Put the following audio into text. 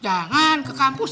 jangan ke kampus